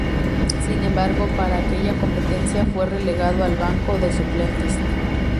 Sin embargo, para aquella competencia fue relegado al banco de suplentes.